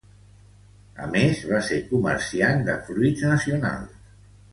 A més, va ser comerciant de fruits nacionals.